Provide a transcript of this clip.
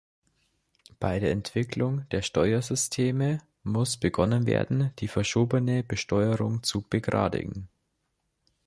Bei der Entwicklung der Steuersysteme muss begonnen werden, die verschobene Besteuerung zu begradigen.